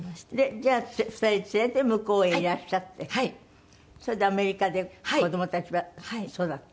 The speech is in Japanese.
じゃあ２人連れて向こうへいらっしゃってそれでアメリカで子どもたちは育った？